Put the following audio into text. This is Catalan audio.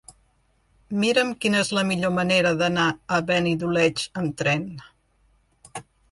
Mira'm quina és la millor manera d'anar a Benidoleig amb tren.